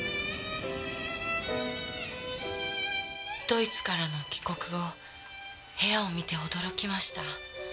ドイツからの帰国後部屋を見て驚きました。